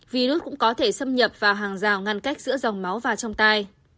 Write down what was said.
virus cũng có thể xâm nhập vào hàng rào ngăn cách giữa dòng máu và trong tay